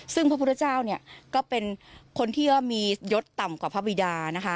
ซึ่งพระพุทธเจ้าเนี่ยก็เป็นคนที่มียศต่ำกว่าพระบิดานะคะ